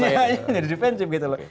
iya jadi defensif gitu loh